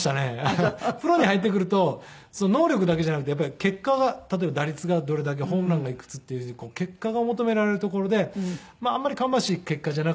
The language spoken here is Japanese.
プロに入ってくると能力だけじゃなくてやっぱり結果が例えば打率がどれだけホームランがいくつっていう結果が求められる所であんまり芳しい結果じゃなかった。